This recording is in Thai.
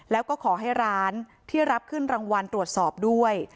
แล้วก็ขอให้ร้านที่รับขึ้นรางวัลตรวจสอบด้วย